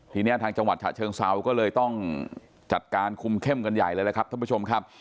ทีนี้ทางจังหวัดฉะเชิงเซาก็เลยต้องจัดการคุมเข้มกันใหญ่เลยแหละครับท่านผู้ชมครับ